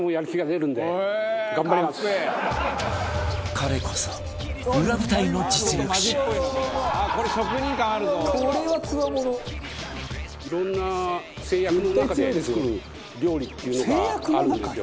彼こそいろんな制約の中で作る料理っていうのがあるんですよ